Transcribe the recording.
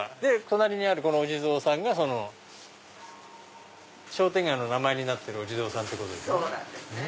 隣にあるお地蔵さんが商店街の名前になってるお地蔵さんってことですね。